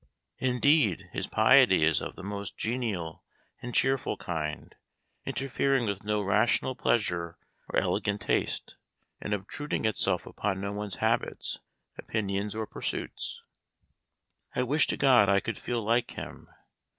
Indeed, his piety is of the most genial and cheerful kind, inter fering with no rational pleasure or elegant taste, and obtruding itself upon no one's habits, opin ions, or pursuits. I wish to God I could feel like him.